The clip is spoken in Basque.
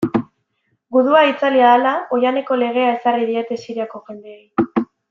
Gudua itzali ahala, oihaneko legea ezarri diete Siriako jendeei.